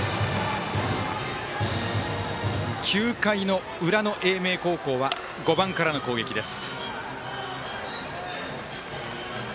９回の裏の英明高校は５番からの攻撃です。